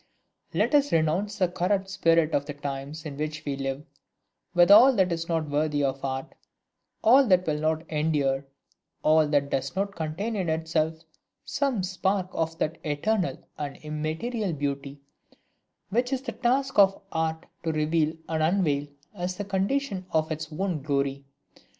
Let us renounce the corrupt spirit of the times in which we live, with all that is not worthy of art, all that will not endure, all that does not contain in itself some spark of that eternal and immaterial beauty, which it is the task of art to reveal and unveil as the condition of its own glory!